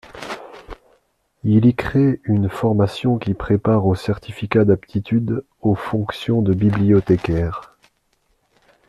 Il y crée une formation qui prépare au Certificat d'aptitude aux fonctions de bibliothécaires.